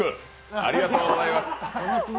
ありがとうございます。